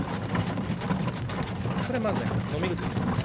これはまずね、飲み薬です。